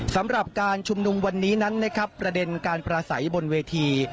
สำหรับการชุมนุมวันนี้นั้นนะครับประเด็นการประสัยบนเวที